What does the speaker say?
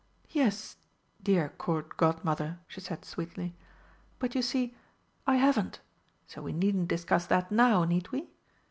"Yes, dear Court Godmother," she said sweetly; "but you see, I haven't so we needn't discuss that now, need we?